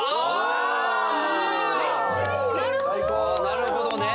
なるほどね。